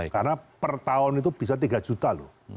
karena per tahun itu bisa tiga juta lho